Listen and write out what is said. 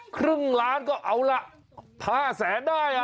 ครึ่งล้านก็เอาล่ะ๕แสนได้